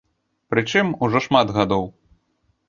Прычым, ужо шмат гадоў.